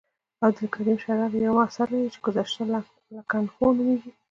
عبدالکریم شرر یو اثر لري چې ګذشته لکنهو نومیږي.